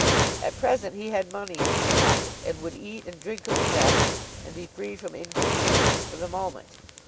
At present he had money in his pocket, and would eat and drink of the best, and be free from inconvenience for the moment.